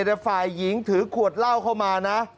เกิดเหตุฝ่ายหญิงถือขวดเล่าเข้ามานะ